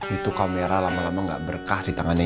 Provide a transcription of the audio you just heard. itu kamera lama lama gak berkah di tangannya ya